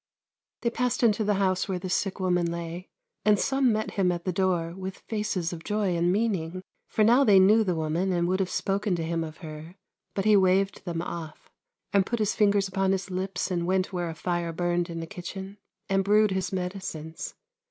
They passed into the house where the sick woman lay, and some met him at the door with faces of joy and meaning; for now they knew the woman and would have spoken to him of her ; but he waved them ofif, and put his fingers upon his lips and went where a fire burned in a kitchen, and brewed his medicines.